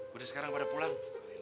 gue udah sekarang pada pulang